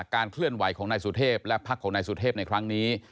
เคลื่อนไหวของนายสุเทพและพักของนายสุเทพในครั้งนี้